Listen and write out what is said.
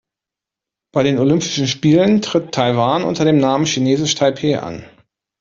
Bei den Olympischen Spielen tritt Taiwan unter dem Namen „Chinesisch Taipeh“ an.